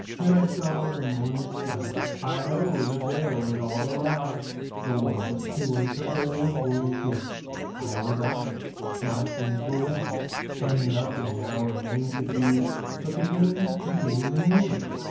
Then I saw the morning sky:Heigho, the tale was all a lie; The world, it was the old world yet,I was I, my things were wet, And nothing now remained to doBut begin the game anew.